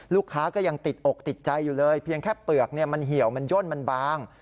ก็ยังติดอกติดใจอยู่เลยเพียงแค่เปลือกมันเหี่ยวมันย่นมันบาง